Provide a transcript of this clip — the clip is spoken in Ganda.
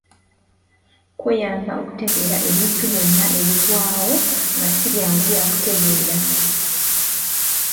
Kuyamba okutegeera ebintu byonna ebigwawo nga ssi byangu kutegeera.